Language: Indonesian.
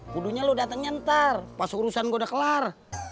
budunya lo datangnya ntar pas urusan gue udah kelar